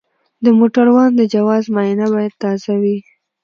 د موټروان د جواز معاینه باید تازه وي.